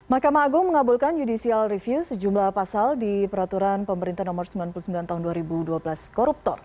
mahkamah agung mengabulkan judicial review sejumlah pasal di peraturan pemerintah nomor sembilan puluh sembilan tahun dua ribu dua belas koruptor